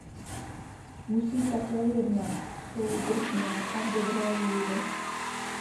Musí také jednat soudržně a v dobré víře.